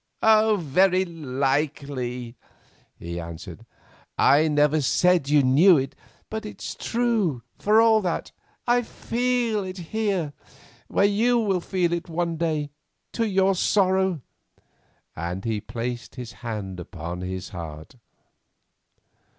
"Very likely," he answered. "I never said you knew it, but it's true, for all that. I feel it here—where you will feel it one day, to your sorrow"—and he placed his hand upon his heart.